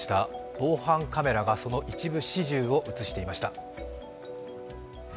防犯カメラがその一部始終を映していました。